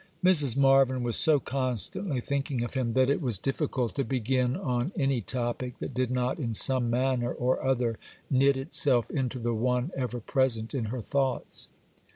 Mrs. Marvyn was so constantly thinking of him, that it was difficult to begin on any topic that did not in some manner or other knit itself into the one ever present in her thoughts.